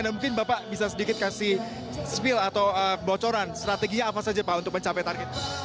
nah mungkin bapak bisa sedikit kasih spill atau bocoran strateginya apa saja pak untuk mencapai target